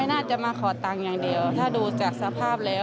น่าจะมาขอตังค์อย่างเดียวถ้าดูจากสภาพแล้ว